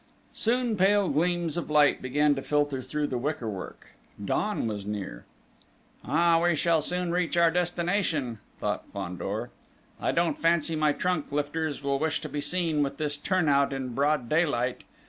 Soon pale gleams of light began to filter through the wickerwork: dawn was near. "Ah, we shall soon reach our destination," thought Fandor. "I don't fancy my trunk lifters will wish to be seen with this turnout in broad daylight!